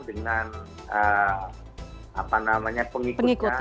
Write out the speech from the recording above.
dengan apa namanya pengikutnya